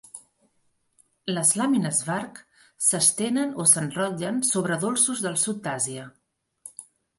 Les làmines Vark s'estenen o s'enrotllen sobre dolços del sud d'Àsia.